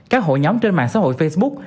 các hội nhóm trên mạng xã hội facebook